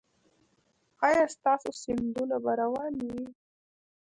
ایا ستاسو سیندونه به روان وي؟